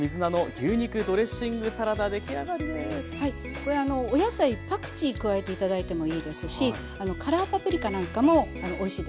これお野菜パクチー加えて頂いてもいいですしカラーパプリカなんかもおいしいです。